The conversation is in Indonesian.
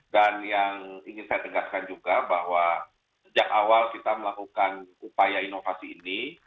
dan yang ingin saya tegaskan juga bahwa sejak awal kita melakukan upaya inovasi ini